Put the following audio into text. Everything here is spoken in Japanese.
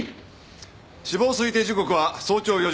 死亡推定時刻は早朝４時頃。